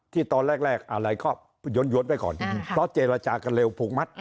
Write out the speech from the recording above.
ตอนแรกอะไรก็ย้วนไว้ก่อนเพราะเจรจากันเร็วผูกมัด